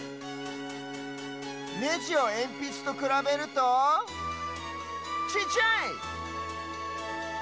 ネジをえんぴつとくらべるとちっちゃい！